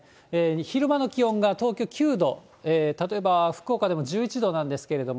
昼間の気温が東京９度、例えば福岡でも１１度なんですけれども、